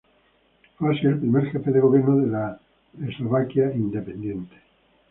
Fue así el primer jefe de gobierno de la Eslovaquia independiente.